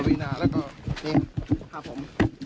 ประวินาแล้วก็นี่ครับผมครับผม